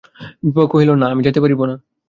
বিভা কহিল, না, আমি যাইতে পারিব না।